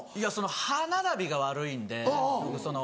歯並びが悪いんでその。